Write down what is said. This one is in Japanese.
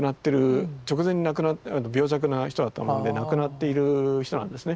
直前に病弱な人だったので亡くなっている人なんですね。